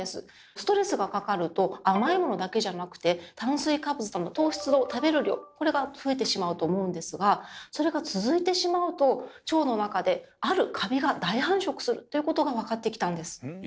ストレスがかかると甘いものだけじゃなくて炭水化物などの糖質を食べる量これが増えてしまうと思うんですがそれが続いてしまうとということが分かってきたんです。